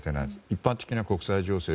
一般的な国際情勢